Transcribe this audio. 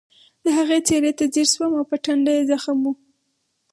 د هغې څېرې ته ځیر شوم او په ټنډه یې زخم و